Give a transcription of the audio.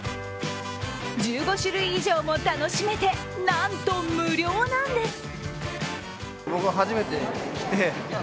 １５種類以上も楽しめてなんと無料なんです。